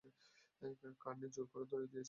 Carney জোর করে ধরিয়ে দিয়েছে!